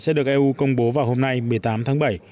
sẽ được eu công bố vào hôm nay một mươi tám tháng bảy